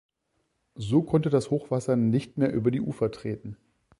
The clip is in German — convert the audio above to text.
So konnte das Hochwasser nicht mehr über die Ufer treten.